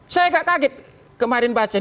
saya kaget kemarin baca